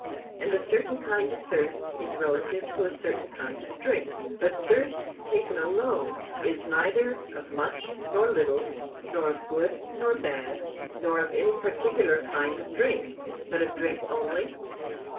And a certain kind of thirst is relative to a certain kind of drink; but thirst taken alone is neither of much nor little, nor of good nor bad, nor of any particular kind of drink, but of drink only?